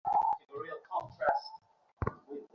মাড়োয়ারি ধনীর সঙ্গে ভাগে কাজ করার কথা।